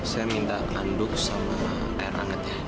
saya minta kanduk sama air hangat ya